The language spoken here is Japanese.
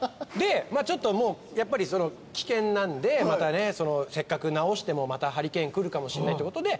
ちょっともう危険なんでせっかく直してもまたハリケーン来るかもしれないってことで。